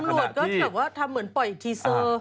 ตำรวจก็แบบว่าทำเหมือนปล่อยทีเซอร์